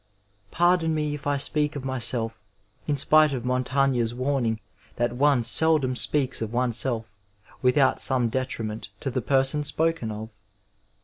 Par don me, if I speak of myself, in spite of Montaigne's warning that one seldom speaks of oneself without some detriment to the person spoken of.